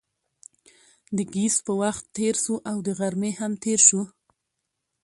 د ګهیځ وخت تېر شو او د غرمې هم تېر شو.